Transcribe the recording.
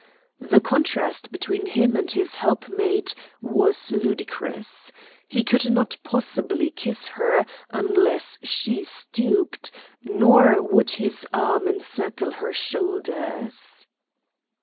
The contrast between him and his helpmate was ludicrous. He could not possibly kiss her unless she stooped, nor would his arms encircle her shoulders.